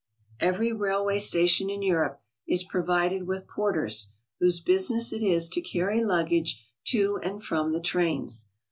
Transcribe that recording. Every railway station in Europe is provided with por ters, whose business it is to carry luggage to and from the trains.